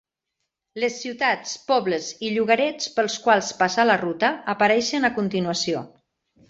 Les ciutats, pobles i llogarets pels quals passa la ruta apareixen a continuació.